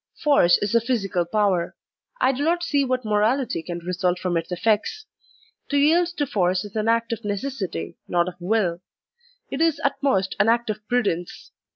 Force is a physical power; I do not see what morality can result from its eflEects. To yield to force is an act of necessity, not of will; it is at most an act of prudence.